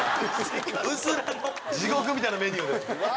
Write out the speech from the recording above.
地獄みたいなメニューで。